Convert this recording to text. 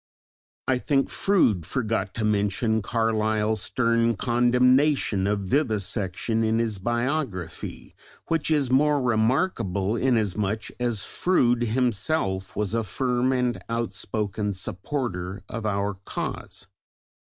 I think Froude forgot to mention Carlyle's stern condemnation of vivisection in his biography, which is more remarkable inasmuch as Froude himself was a firm and outspoken supporter of our cause.